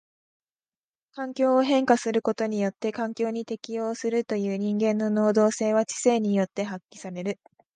環境を変化することによって環境に適応するという人間の能動性は知性によって発揮される。